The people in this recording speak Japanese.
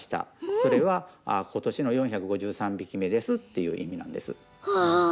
それはことしの４５３匹目ですっていう意味なんです。